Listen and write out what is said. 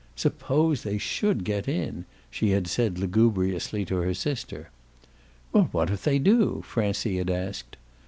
"Suppose they SHOULD get in?" she had said lugubriously to her sister. "Well, what if they do?" Francie had asked.